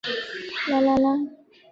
莱洛日。